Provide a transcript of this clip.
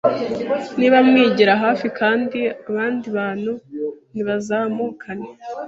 ntibamwigire hafi kandi abandi bantu ntibazamukane